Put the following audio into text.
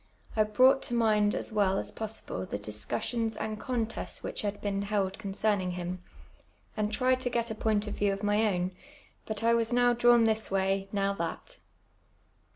I brought to mind as well as possible the dis cussions and contests which had been held concerning him, and tried to get a point of view of my own ; but I was now dra\m this way, now that.